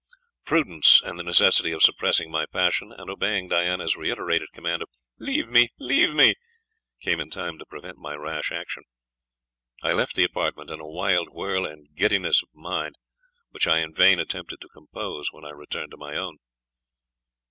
Prudence, and the necessity of suppressing my passion, and obeying Diana's reiterated command of "Leave me! leave me!" came in time to prevent my rash action. I left the apartment in a wild whirl and giddiness of mind, which I in vain attempted to compose when I returned to my own.